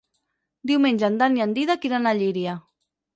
Diumenge en Dan i en Dídac iran a Llíria.